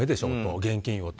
現金をと。